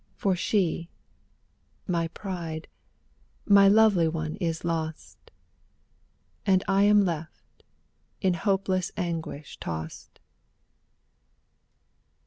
For she, my pride, my lovely one is lost. And I am left, in hopeless anguish tossed.